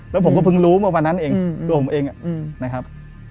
แล้วผมก็เพิ่งรู้เมื่อวานั้นเองอืมตัวผมเองอ่ะอืมนะครับ